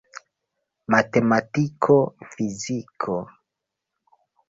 Matematiko, fiziko.